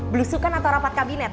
belusukan atau rapat kabinet